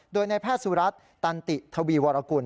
โดยนายแพทย์สุรัตน์ตันติทวีวรกุล